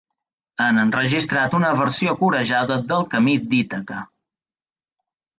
Han enregistrat una versió corejada del "Camí d'Ítaca".